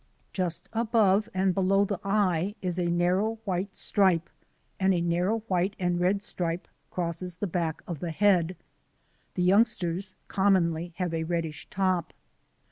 Just above and below the eye is a narrow white stripe, and a narrow white and red stripe crosses the back of the head. The young sters commonly have a reddish top.